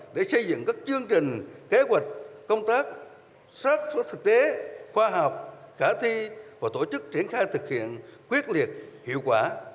để xây dựng các chương trình kế hoạch công tác sát xuất thực tế khoa học khả thi và tổ chức triển khai thực hiện quyết liệt hiệu quả